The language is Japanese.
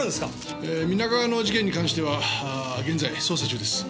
皆川の事件に関しては現在捜査中です。